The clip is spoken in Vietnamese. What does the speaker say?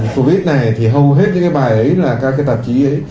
covid này thì hầu hết những cái bài ấy là các cái tạp chí ấy